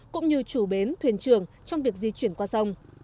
cũng như chủ bến thuyền trường trong việc di chuyển qua sông